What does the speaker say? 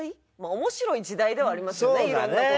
面白い時代ではありますよね色んな事。